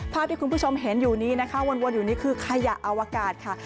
ภาพที่คุณผู้ชมเห็นอยู่นี้นะคะวนอยู่นี่คือขยะอวกาศค่ะ